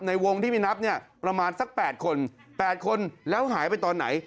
ในวงที่ไม่นับเนี่ยประมาณสัก๘คน๘คนแล้วหายไปตอนไหน